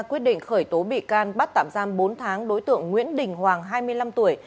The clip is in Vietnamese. quyết định khởi tố bị can bắt tạm giam bốn tháng đối tượng nguyễn đình hoàng hai mươi năm tuổi